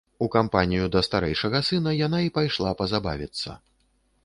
У кампанію да старэйшага сына яна і пайшла пазабавіцца.